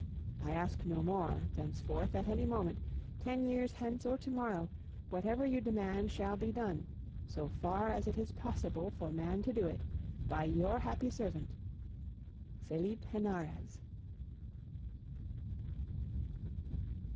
I ask no more; thenceforth, at any moment, ten years hence or to morrow, whatever you demand shall be done, so far as it is possible for man to do it, by your happy servant, "FELIPE HENAREZ."